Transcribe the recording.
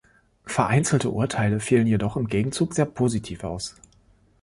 Vereinzelte Urteile fielen jedoch im Gegenzug sehr positiv aus.